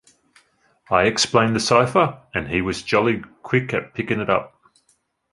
I explained the cypher, and he was jolly quick at picking it up.